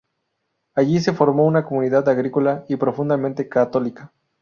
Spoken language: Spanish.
Allí se formó una comunidad agrícola y profundamente católica.